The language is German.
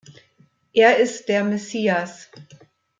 Er ist der Messias!